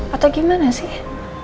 atau gimana sih